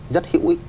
rất hữu ích